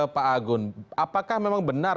pak agun apakah memang benar